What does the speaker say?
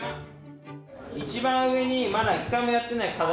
一番上にまだ１回もやってない課題